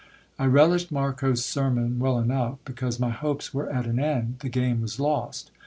I relished Marcos' sermon well enough, because my hopes were at an end, the game was lost.